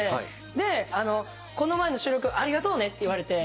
で「この前の収録ありがとうね」って言われて。